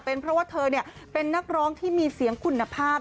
เพราะว่าเธอเนี่ยเป็นนักร้องที่มีเสียงคุณภาพ